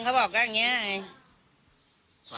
เลขทะเบียนรถจากรยานยนต์